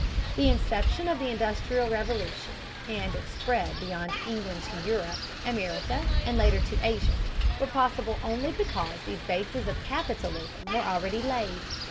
The inception of the Industrial Revolution, and its spread beyond England to Europe, America, and, later, to Asia, were possible only because these bases of capitalism were already laid.